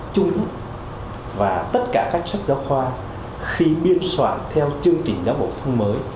trung ức và tất cả các sách giáo khoa khi biên soạn theo chương trình giáo bộ thông mới